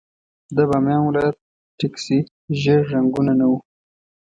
د بامیان ولايت ټکسي ژېړ رنګونه نه وو.